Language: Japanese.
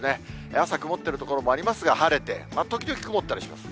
朝、曇っている所もありますが、晴れて、時々曇ったりします。